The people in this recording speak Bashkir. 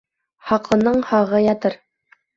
Һаҡлының һағы ятыр